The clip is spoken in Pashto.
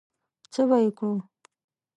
څه به یې کړو؟